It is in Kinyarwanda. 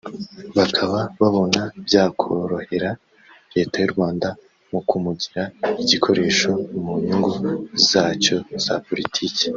bakaba babona byakorohera Leta y’u Rwanda mu kumugira igikoresho mu nyungu zacyo za politiki